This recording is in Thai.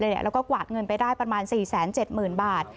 แล้วก็กวาดเงินไปได้ประมาณ๔๗๐๐๐บาท